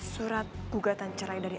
surat gugatan cerai dari